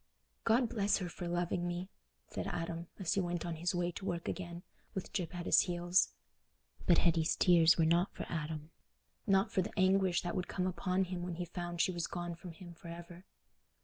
"God bless her for loving me," said Adam, as he went on his way to work again, with Gyp at his heels. But Hetty's tears were not for Adam—not for the anguish that would come upon him when he found she was gone from him for ever.